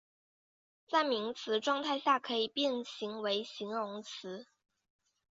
在名词状态下可以变形为形容词。